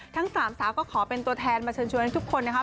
ทั้งสามสาวก็ขอเป็นตัวแทนมาเชิญชวนให้ทุกคนนะครับ